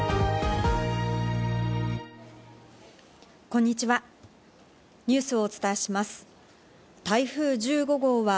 こんにちは。